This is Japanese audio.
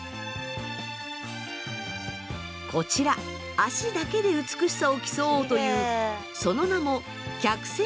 こちら脚だけで美しさを競おうというその名も脚線美コンテスト。